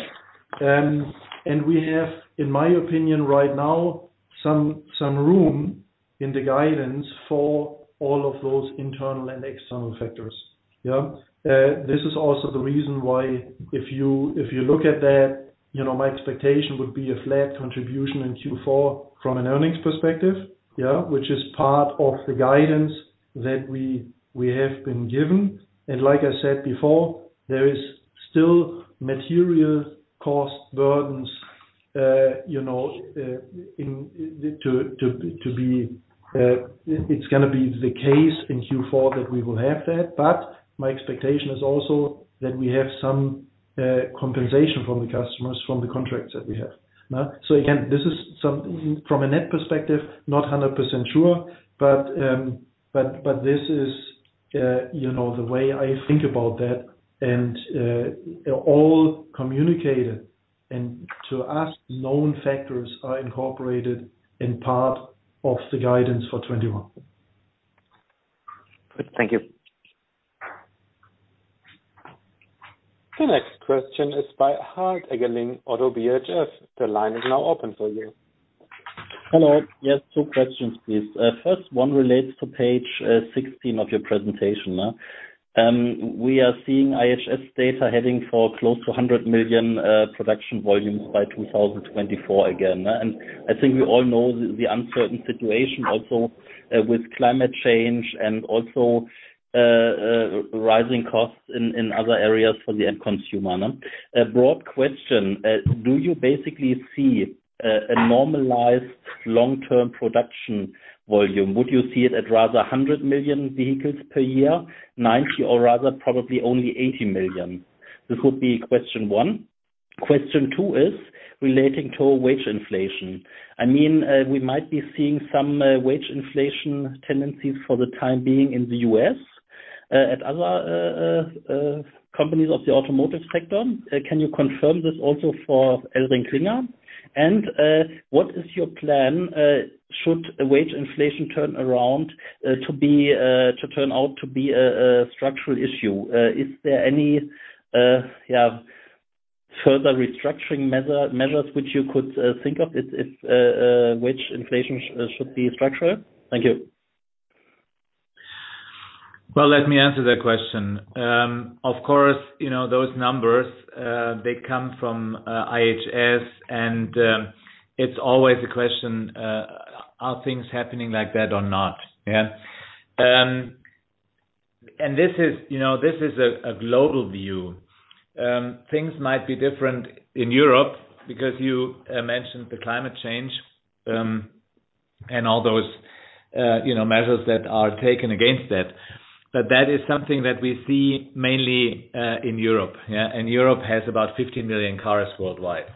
We have, in my opinion, right now, some room in the guidance for all of those internal and external factors. Yeah? This is also the reason why if you look at that, you know, my expectation would be a flat contribution in Q4 from an earnings perspective, yeah, which is part of the guidance that we have been given. Like I said before, there is still material cost burdens, you know. It's gonna be the case in Q4 that we will have that. But my expectation is also that we have some compensation from the customers, from the contracts that we have, no? Again, this is from a net perspective, not 100% sure, but this is, you know, the way I think about that and all communicated. To us, known factors are incorporated as part of the guidance for 2021. Good. Thank you. The next question is by Henning Eggers, ODDO BHF. The line is now open for you. Hello. Yes, two questions, please. First one relates to page 16 of your presentation. We are seeing IHS data heading for close to 100 million production volumes by 2024 again. I think we all know the uncertain situation also with climate change and also rising costs in other areas for the end consumer, no? A broad question. Do you basically see a normalized long-term production volume? Would you see it at rather 100 million vehicles per year, 90 or rather probably only 80 million? This would be question one. Question two is relating to wage inflation. I mean, we might be seeing some wage inflation tendencies for the time being in the U.S. at other companies of the automotive sector. Can you confirm this also for ElringKlinger? What is your plan, should wage inflation turn around to be to turn out to be a structural issue? Is there any further restructuring measures which you could think of if wage inflation should be structural? Thank you. Well, let me answer that question. Of course, you know those numbers, they come from IHS and it's always a question, are things happening like that or not? Yeah. This is, you know, this is a global view. Things might be different in Europe because you mentioned the climate change and all those, you know, measures that are taken against that. That is something that we see mainly in Europe. Yeah. Europe has about 50 million cars worldwide.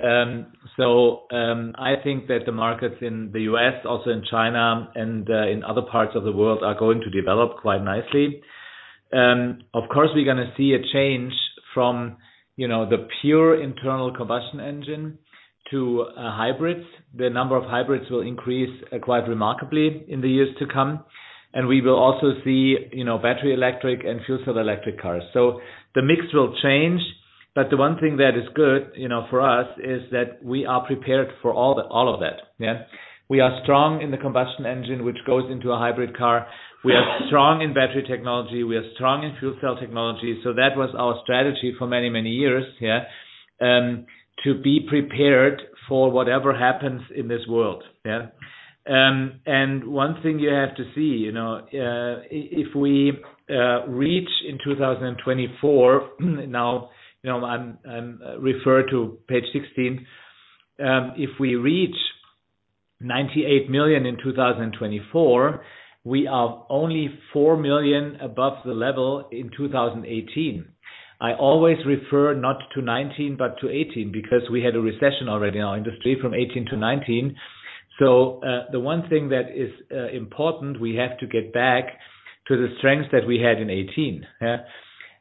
I think that the markets in the U.S., also in China and in other parts of the world are going to develop quite nicely. Of course, we're gonna see a change from, you know, the pure internal combustion engine to hybrids. The number of hybrids will increase quite remarkably in the years to come, and we will also see, you know, battery electric and fuel cell electric cars. The mix will change. The one thing that is good, you know, for us, is that we are prepared for all of that. Yeah. We are strong in the combustion engine, which goes into a hybrid car. We are strong in battery technology. We are strong in fuel cell technology. That was our strategy for many, many years, yeah, to be prepared for whatever happens in this world. Yeah. One thing you have to see, you know, if we reach in 2024, now, you know, I'm referring to page 16. If we reach 98 million in 2024, we are only 4 million above the level in 2018. I always refer not to 2019, but to 2018, because we had a recession already in our industry from 2018 to 2019. The one thing that is important, we have to get back to the strengths that we had in 2018, yeah.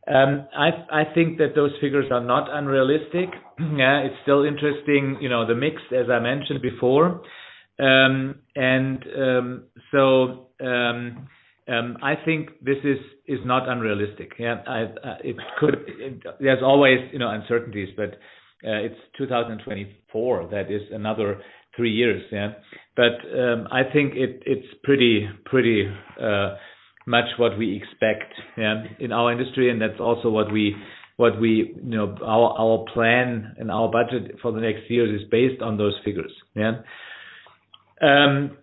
I think that those figures are not unrealistic. Yeah, it's still interesting, you know, the mix, as I mentioned before. I think this is not unrealistic. Yeah, there's always, you know, uncertainties, but it's 2024, that is another three years, yeah. I think it's pretty much what we expect, yeah, in our industry, and that's also what we, you know, our plan and our budget for the next years is based on those figures, yeah.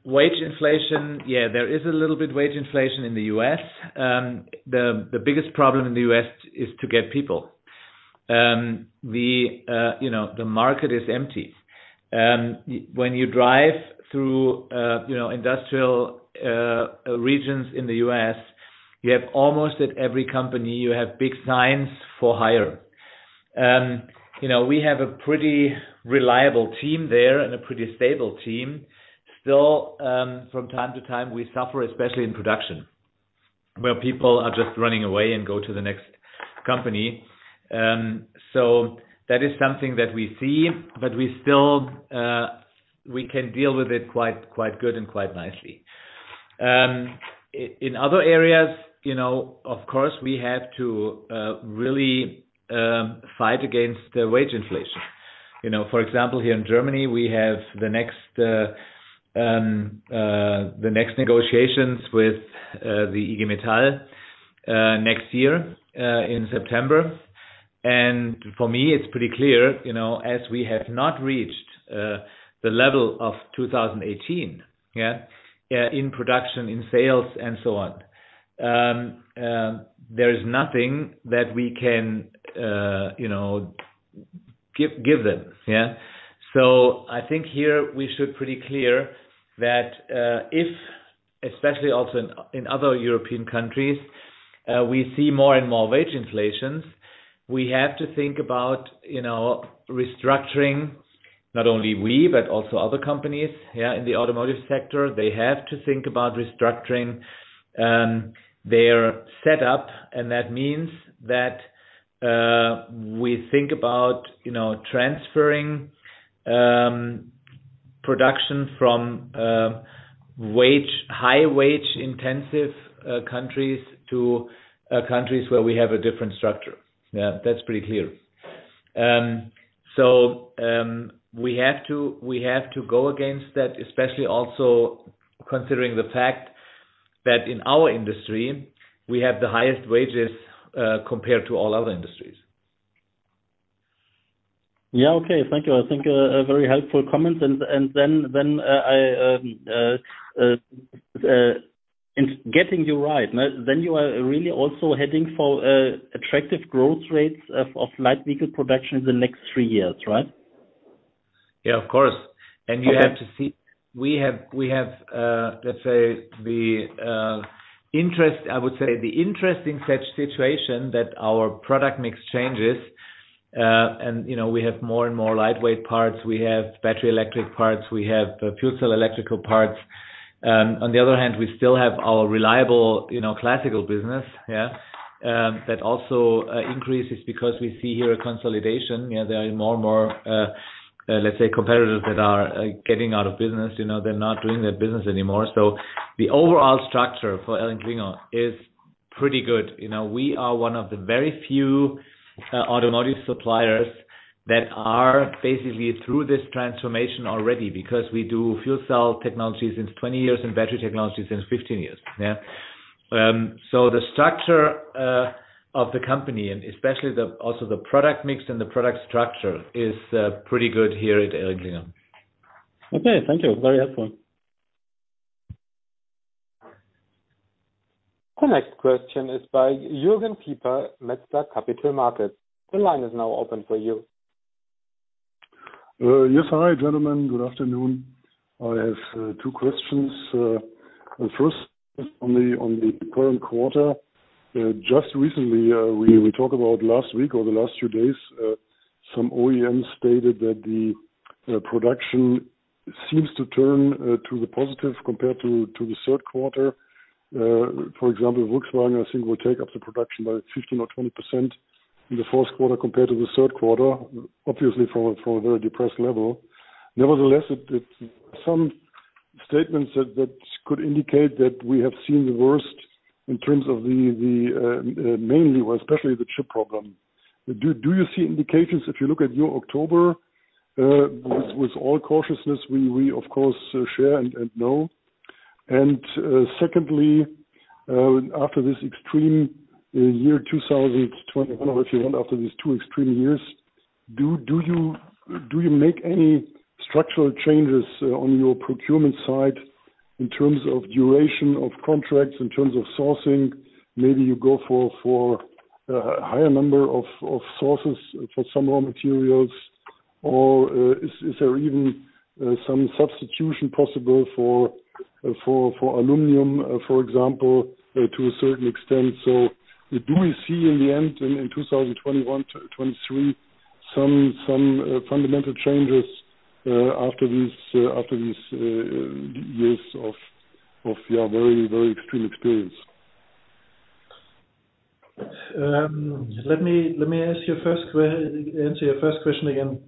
Wage inflation, yeah, there is a little bit wage inflation in the U.S. The biggest problem in the U.S. is to get people. You know, the market is empty. When you drive through, you know, industrial regions in the U.S., you have almost at every company, you have big signs for hire. You know, we have a pretty reliable team there and a pretty stable team. Still, from time to time, we suffer, especially in production, where people are just running away and go to the next company. That is something that we see, but we still we can deal with it quite good and quite nicely. In other areas, you know, of course, we have to really fight against the wage inflation. You know, for example, here in Germany, we have the next negotiations with the IG Metall next year in September. For me, it's pretty clear, you know, as we have not reached the level of 2018 in production, in sales, and so on. There is nothing that we can, you know, give them. I think here we should pretty clear that, if, especially also in other European countries, we see more and more wage inflations. We have to think about, you know, restructuring, not only we, but also other companies, yeah, in the automotive sector. They have to think about restructuring their setup, and that means that we think about, you know, transferring production from high wage-intensive countries to countries where we have a different structure. Yeah, that's pretty clear. We have to go against that, especially also considering the fact that in our industry, we have the highest wages compared to all other industries. Yeah, okay. Thank you. I think very helpful comments. Am I getting you right? You are really also heading for attractive growth rates of light vehicle production in the next three years, right? Yeah, of course. Okay. You have to see, we have let's say the interest I would say in such situation that our product mix changes, and you know we have more and more lightweight parts. We have battery electric parts. We have fuel cell electrical parts. On the other hand, we still have our reliable you know classical business that also increases because we see here a consolidation. There are more and more let's say competitors that are getting out of business. You know, they're not doing their business anymore. The overall structure for ElringKlinger is pretty good. You know, we are one of the very few automotive suppliers that are basically through this transformation already because we do fuel cell technologies since 20 years and battery technologies since 15 years. The structure of the company, and especially also the product mix and the product structure is pretty good here at ElringKlinger. Okay, thank you. Very helpful. The next question is by Jürgen Pieper, Metzler Capital Markets. The line is now open for you. Yes. Hi, gentlemen. Good afternoon. I have two questions. The first on the current quarter. Just recently, we talk about last week or the last few days, some OEMs stated that the production seems to turn to the positive compared to the third quarter. For example, Volkswagen, I think, will take up the production by 15%-20% in the fourth quarter compared to the third quarter, obviously from a very depressed level. Nevertheless, it's some statements that could indicate that we have seen the worst in terms of the mainly, well, especially the chip problem. Do you see indications if you look at your October, with all cautiousness we of course share and know? Secondly, after this extreme year 2021, or actually after these two extreme years, do you make any structural changes on your procurement side? In terms of duration of contracts, in terms of sourcing, maybe you go for a higher number of sources for some raw materials, or is there even some substitution possible for aluminum, for example, to a certain extent? Do we see in the end, in 2021 to 2023 some fundamental changes after these years of your very extreme experience? Let me answer your first question again.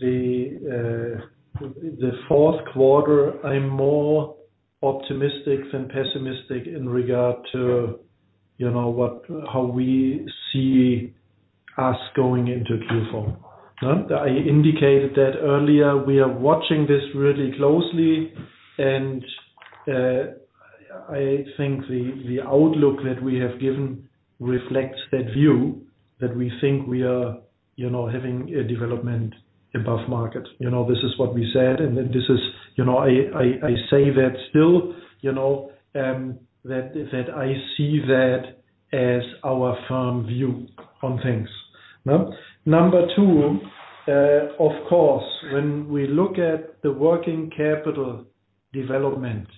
The fourth quarter, I'm more optimistic than pessimistic in regard to how we see us going into Q4. I indicated that earlier. We are watching this really closely. I think the outlook that we have given reflects that view that we think we are having a development above market. You know, this is what we said, and then this is, you know, I say that still, you know, that I see that as our firm view on things. No? Number two, of course, when we look at the working capital development,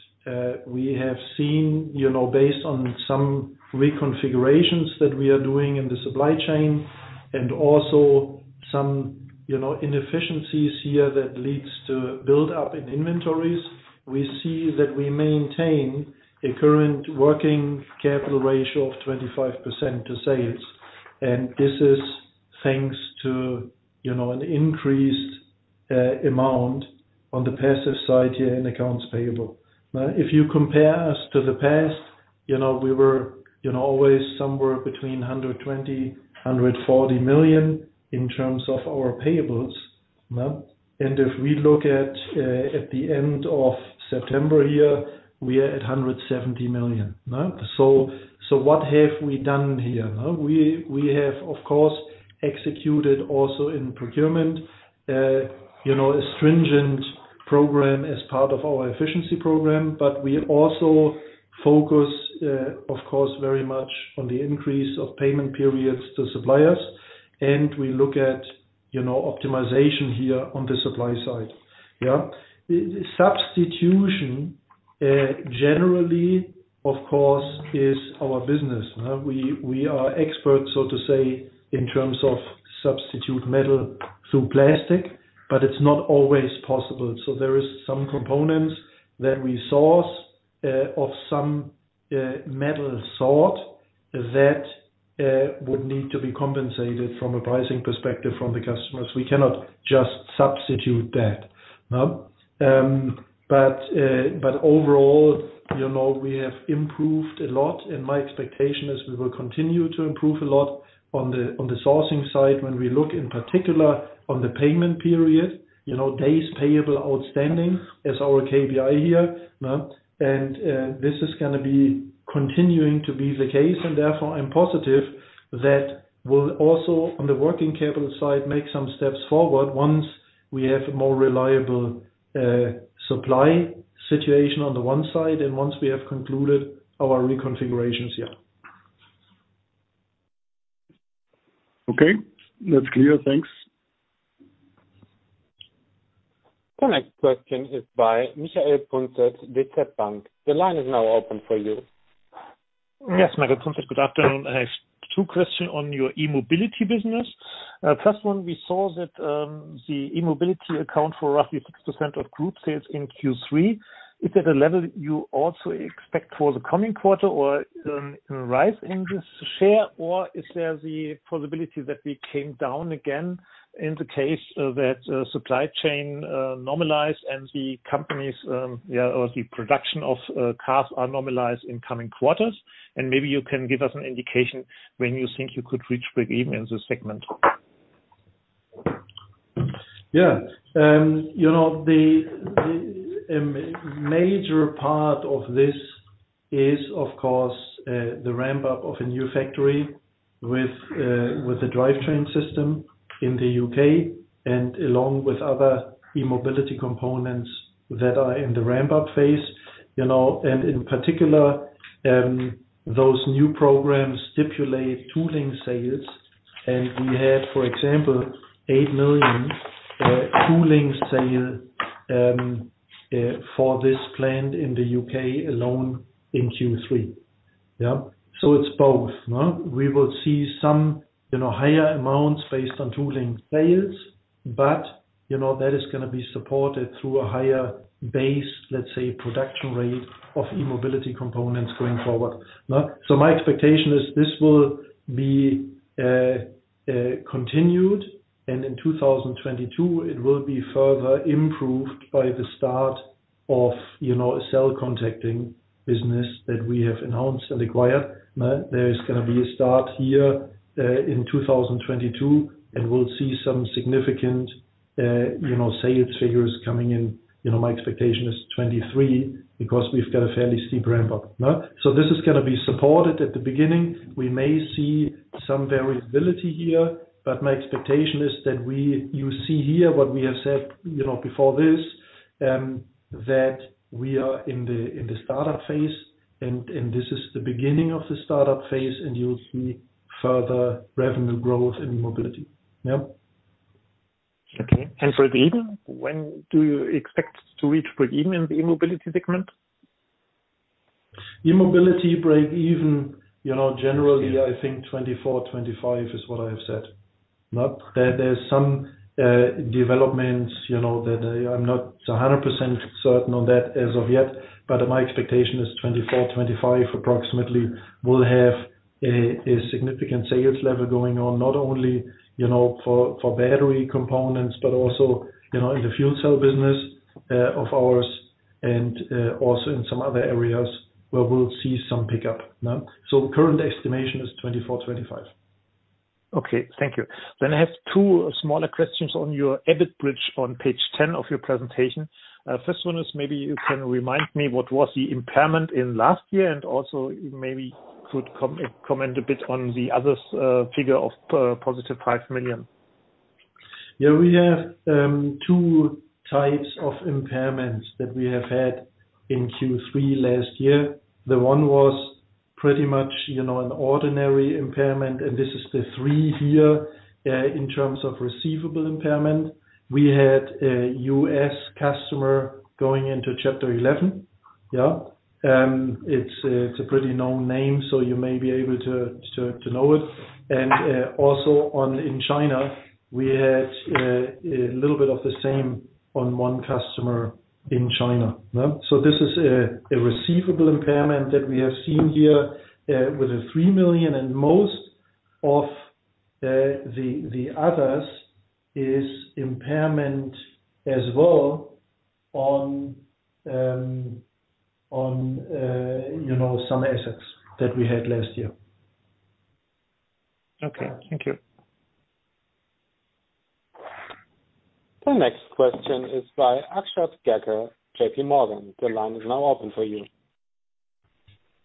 we have seen, you know, based on some reconfigurations that we are doing in the supply chain and also some, you know, inefficiencies here that leads to buildup in inventories. We see that we maintain a current working capital ratio of 25% to sales. This is thanks to, you know, an increased amount on the passive side here in accounts payable. Now, if you compare us to the past, you know, we were, you know, always somewhere between 120 million and 140 million in terms of our payables. No? If we look at the end of September here, we are at 170 million. No? What have we done here? We have, of course, executed also in procurement, you know, a stringent program as part of our efficiency program. We also focus, of course, very much on the increase of payment periods to suppliers. We look at, you know, optimization here on the supply side. Yeah. Substitution, generally, of course, is our business. We are experts, so to say, in terms of substitute metal through plastic, but it's not always possible. There is some components that we source of some metal sort that would need to be compensated from a pricing perspective from the customers. We cannot just substitute that. No. But overall, you know, we have improved a lot, and my expectation is we will continue to improve a lot on the sourcing side when we look in particular on the payment period. You know, days payable outstanding is our KPI here. No? This is gonna be continuing to be the case, and therefore, I'm positive that we'll also, on the working capital side, make some steps forward once we have a more reliable supply situation on the one side and once we have concluded our reconfigurations, yeah. Okay. That's clear. Thanks. The next question is by Michael Punzet with DZ Bank. The line is now open for you. Yes, Michael Punzet, good afternoon. I have two questions on your E-Mobility business. First one, we saw that the E-Mobility account for roughly 6% of group sales in Q3. Is that a level you also expect for the coming quarter or a rise in this share, or is there the possibility that we came down again in the case that supply chain normalized and the company's production of cars are normalized in coming quarters? Maybe you can give us an indication when you think you could reach break-even in the segment. You know, the major part of this is, of course, the ramp-up of a new factory with the drivetrain system in the U.K. and along with other E-Mobility components that are in the ramp-up phase. You know, in particular, those new programs stipulate tooling sales. We had, for example, 8 million tooling sale for this plant in the U.K. alone in Q3. Yeah. It's both. No? We will see some, you know, higher amounts based on tooling sales, but, you know, that is gonna be supported through a higher base, let's say, production rate of E-Mobility components going forward. No? My expectation is this will be continued, and in 2022, it will be further improved by the start of, you know, a cell contacting business that we have enhanced and acquired. There is gonna be a start here in 2022, and we'll see some significant, you know, sales figures coming in. You know, my expectation is 2023 because we've got a fairly steep ramp-up. No? This is gonna be supported at the beginning. We may see some variability here, but my expectation is that you see here what we have said, you know, before this. that we are in the startup phase, and this is the beginning of the startup phase, and you'll see further revenue growth in mobility. Yeah. Okay. Breakeven, when do you expect to reach breakeven in the E-Mobility segment? E-Mobility breakeven, you know, generally, I think 2024-2025 is what I have said. Now, there are some developments, you know, that I'm not 100% certain on that as of yet, but my expectation is 2024-2025, approximately, we'll have a significant sales level going on, not only, you know, for battery components, but also, you know, in the fuel cell business of ours and also in some other areas where we'll see some pickup. Now, so current estimation is 2024-2025. Okay, thank you. I have two smaller questions on your EBIT bridge on page 10 of your presentation. First one is maybe you can remind me what was the impairment in last year, and also maybe could comment a bit on the other figure of positive 5 million. We have two types of impairments that we have had in Q3 last year. The one was pretty much, you know, an ordinary impairment, and this is the three here, in terms of receivable impairment. We had a U.S. customer going into Chapter 11. It's a pretty known name, so you may be able to know it. Also in China, we had a little bit of the same on one customer in China. This is a receivable impairment that we have seen here, with 3 million, and most of the others is impairment as well on you know, some assets that we had last year. Okay. Thank you. The next question is by Akshat Kacker, JPMorgan. The line is now open for you.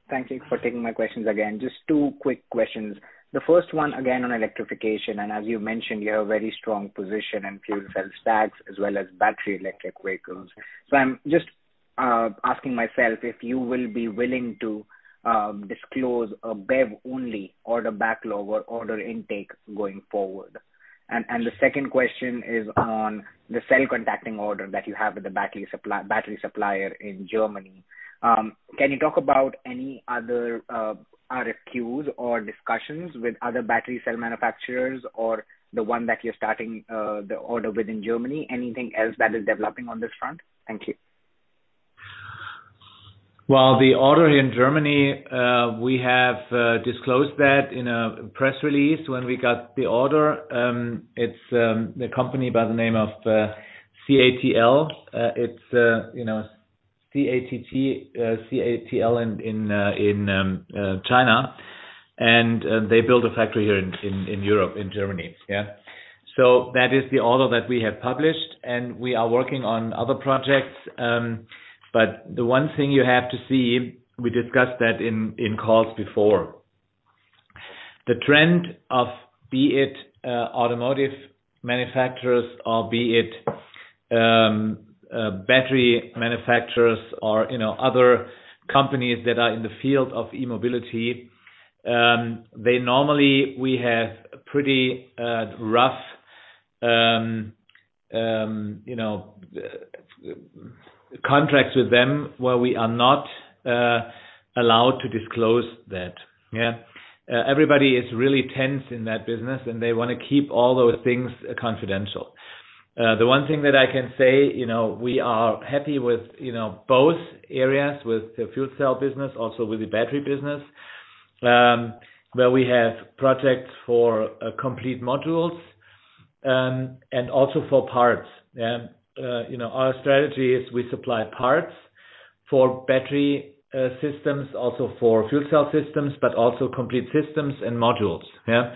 Thank you for taking my questions again. Just two quick questions. The first one, again, on electrification. As you mentioned, you have a very strong position in fuel cell stacks as well as battery electric vehicles. I'm just asking myself if you will be willing to disclose a BEV-only order backlog or order intake going forward. The second question is on the cell contacting order that you have with the battery supplier in Germany. Can you talk about any other RFQs or discussions with other battery cell manufacturers or the one that you're starting the order with in Germany? Anything else that is developing on this front? Thank you. Well, the order in Germany, we have disclosed that in a press release when we got the order. It's the company by the name of CATL. It's you know, CATL in China. They build a factory here in Europe, in Germany. Yeah. That is the order that we have published, and we are working on other projects. The one thing you have to see, we discussed that in calls before. The trend of, be it automotive manufacturers or be it battery manufacturers or you know, other companies that are in the field of e-mobility, they normally. We have pretty rough you know, contracts with them where we are not allowed to disclose that. Yeah. Everybody is really tense in that business, and they wanna keep all those things confidential. The one thing that I can say, you know, we are happy with, you know, both areas, with the fuel cell business, also with the battery business, where we have projects for complete modules and also for parts. You know, our strategy is we supply parts for battery systems, also for fuel cell systems, but also complete systems and modules. Yeah.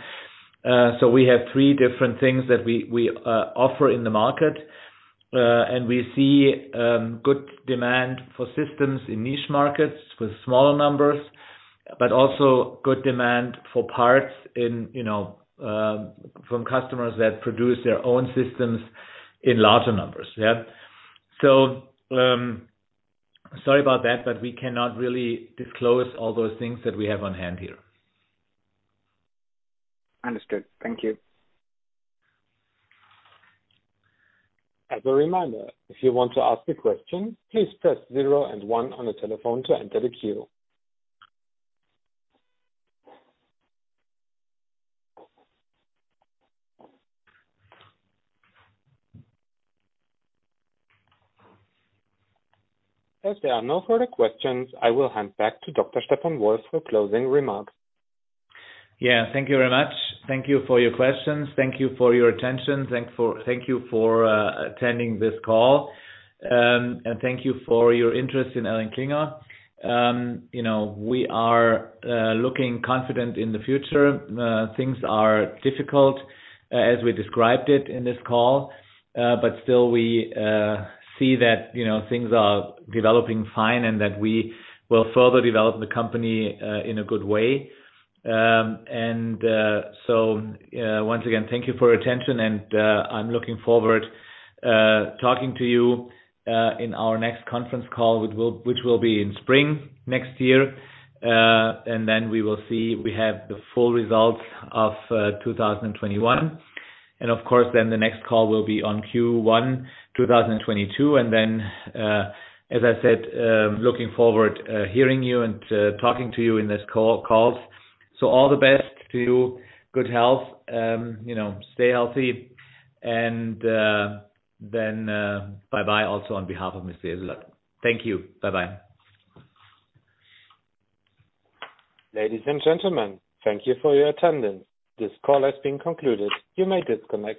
So we have three different things that we offer in the market, and we see good demand for systems in niche markets with small numbers, but also good demand for parts from customers that produce their own systems in larger numbers. Yeah. Sorry about that, but we cannot really disclose all those things that we have on hand here. Understood. Thank you. As a reminder, if you want to ask a question, please press zero and one on your telephone to enter the queue. As there are no further questions, I will hand back to Dr. Stefan Wolf for closing remarks. Yeah. Thank you very much. Thank you for your questions. Thank you for your attention. Thank you for attending this call, and thank you for your interest in ElringKlinger. You know, we are looking confident in the future. Things are difficult, as we described it in this call, but still we see that, you know, things are developing fine and that we will further develop the company in a good way. Once again, thank you for your attention, and I'm looking forward talking to you in our next conference call, which will be in spring next year. Then we will see. We have the full results of 2021. Of course, then the next call will be on Q1 2022. As I said, looking forward, hearing you and, talking to you in this call. All the best to you. Good health. You know, stay healthy and then, bye-bye also on behalf of Mr. Jessulat. Thank you. Bye-bye. Ladies and gentlemen, thank you for your attendance. This call has been concluded. You may disconnect.